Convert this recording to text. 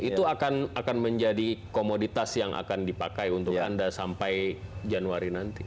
itu akan menjadi komoditas yang akan dipakai untuk anda sampai januari nanti